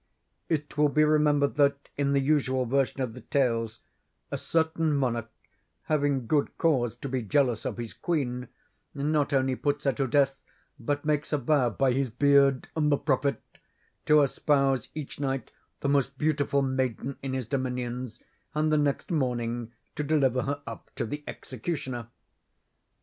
It will be remembered, that, in the usual version of the tales, a certain monarch having good cause to be jealous of his queen, not only puts her to death, but makes a vow, by his beard and the prophet, to espouse each night the most beautiful maiden in his dominions, and the next morning to deliver her up to the executioner.